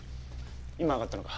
今上がったのか？